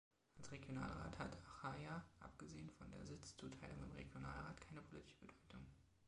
Als Regionalrat hat Achaia abgesehen von der Sitzzuteilung im Regionalrat keine politische Bedeutung.